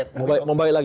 tapi sudah baik lagi